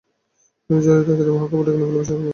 তিনি জরুরি তাগিদে মহাকাব্যটিকে নেপালি ভাষায় অনুবাদ করেন।